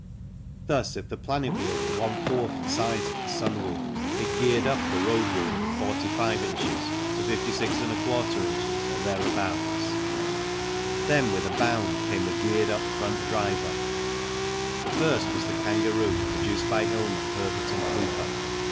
Thus, if the planet wheel were one fourth the size of the sun wheel, it geared up the road wheel of 45 ins. to 56J ins. or thereabouts. Then, with a bound came the geared up front driver ; the first was the Kangaroo, produced by Hillman, Herbert and Cooper.